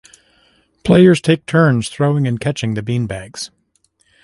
Players take turns throwing and catching the bean bags.